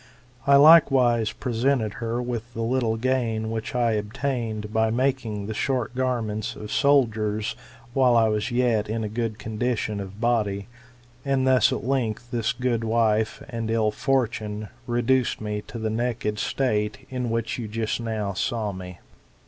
I likewise presented her with the little gain which I obtained by making the short garments of soldiers while I was yet in a good condition of body; and thus at length this good wife, and ill fortune, reduced me to that state in which you just now saw me.